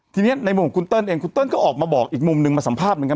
ทีนี้ในมุมของคุณเติ้ลเองคุณเติ้ลก็ออกมาบอกอีกมุมนึงมาสัมภาษณ์เหมือนกัน